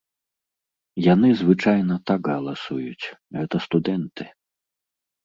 Яны звычайна так галасуюць, гэта студэнты.